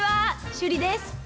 趣里です。